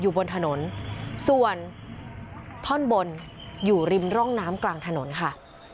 บนถนนส่วนท่อนบนอยู่ริมร่องน้ำกลางถนนค่ะ